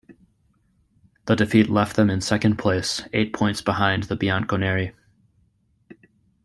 The defeat left them in second place, eight points behind the "Bianconeri".